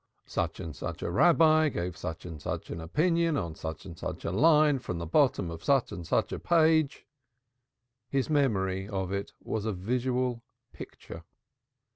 Such and such a Rabbi gave such and such an opinion on such and such a line from the bottom of such and such a page his memory of it was a visual picture.